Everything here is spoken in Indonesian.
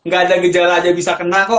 gak ada gejala aja bisa kena kok